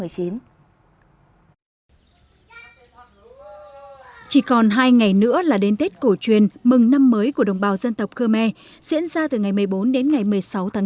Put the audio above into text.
chỉ còn hai ngày nữa là đến tết cổ truyền mừng năm mới của đồng bào dân tộc khơ me diễn ra từ ngày một mươi bốn đến ngày một mươi sáu tháng bốn